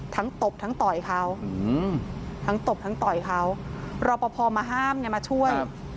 ทั้งตบทั้งต่อยเขารอบพอพอมาห้ามงี๊มาช่วย